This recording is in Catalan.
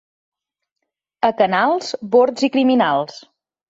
A Canals, bords i criminals.